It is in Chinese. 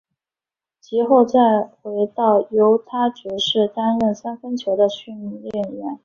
及后再回到犹他爵士担任三分球的训练员。